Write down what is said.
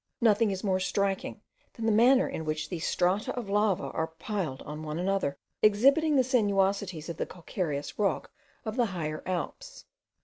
Nothing is more striking than the manner in which these strata of lava are piled on one another, exhibiting the sinuosities of the calcareous rock of the higher Alps.